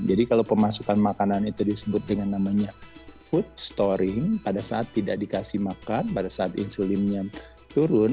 jadi kalau pemasukan makanan itu disebut dengan namanya food storing pada saat tidak dikasih makan pada saat insulinnya turun